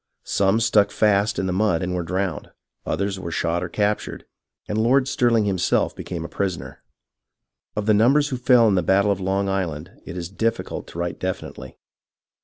Some stuck fast in the mud and were drowned, others were shot or captured, and Lord Stirhng himself became a prisoner. Of the numbers who fell in the battle of Long Island, it is difficult to write definitely.